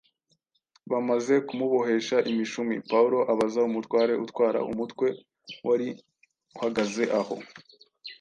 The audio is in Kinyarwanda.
Bamaze kumubohesha imishumi, Pawulo abaza umutware utwara umutwe wari uhagaze aho